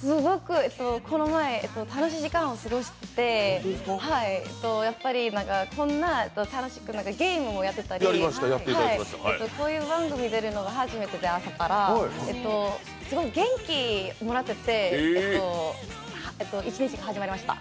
すごくこの前楽しい時間を過ごしてやっぱりこんな楽しくゲームもやってたりこういう番組出るのが初めてで朝から、すごい元気もらってて、一日が始まりました。